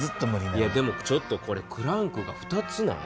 いやでもちょっとこれクランクが２つない？